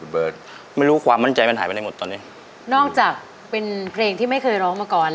เพื่อจะเป็นเพลงที่ไม่เคยร้องมาก่อน